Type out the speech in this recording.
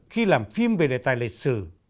khi làm phim về đề tài lịch sử